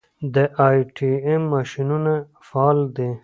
د ای ټي ایم ماشینونه فعال دي؟